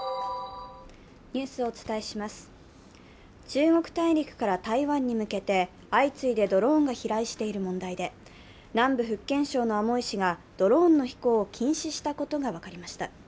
中国大陸から台湾に向けて相次いでドローンが飛来している問題で、南部福建省の厦門市がドローンの飛行を禁止したことが分かりました。